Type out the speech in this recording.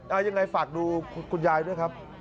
เอายังไงฝากดูคุณยายด้วยครับ